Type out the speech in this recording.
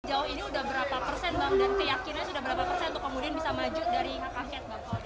jauh ini sudah berapa persen bang dan keyakinan sudah berapa persen untuk kemudian bisa maju dari kakak cat bang